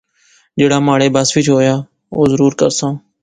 جہیڑا مہاڑے بس وچ وہا اور ضرور کرساں